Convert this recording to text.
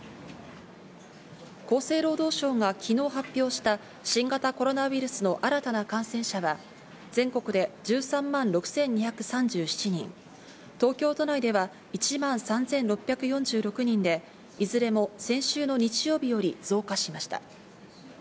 厚生労働省が昨日発表した新型コロナウイルスの新たな感染者は、全国で１３万６２３７人、東京都内では１万３６４６人で、いずれも先週の日曜日より増加しました。